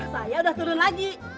saya udah turun lagi